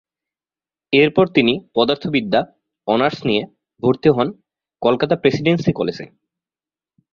এরপর তিনি পদার্থবিদ্যা অনার্স নিয়ে ভরতি হন কলকাতার প্রেসিডেন্সি কলেজে।